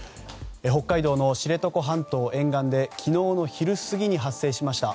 北海道の知床半島沿岸で昨日の昼過ぎに発生しました